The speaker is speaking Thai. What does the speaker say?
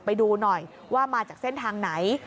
ไปดูหน่อยว่ามาจากเส้นทางไหน